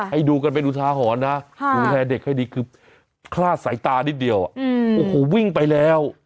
ให้ดูกันเป็นอุทาหรณ์นะดูแลเด็กให้ดีคือคลาดสายตานิดเดียวโอ้โหวิ่งไปแล้ว